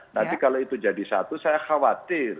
nanti kalau itu jadi satu saya khawatir